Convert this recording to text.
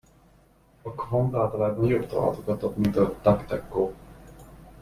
A Qwant általában jobb találatokat ad, mint a DuckDuckGo.